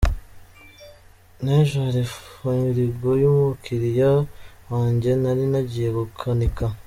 N’ejo hari firigo y’umukiriya wanjye nari nagiye gukanika.